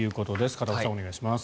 片岡さん、お願いします。